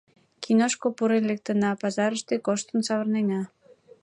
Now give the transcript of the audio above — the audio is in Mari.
Киношко пурен лектына, пазарыште коштын савырнена.